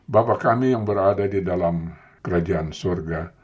bapak kami yang berada di dalam kerajaan surga